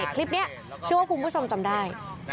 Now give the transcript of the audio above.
คลิปนี้เชื่อว่าคุณผู้ชมจำได้